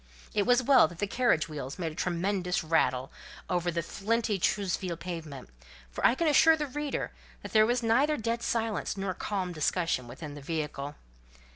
It was well that the carriage wheels made a tremendous rattle over the flinty Choseville pavement, for I can assure the reader there was neither dead silence nor calm discussion within the vehicle.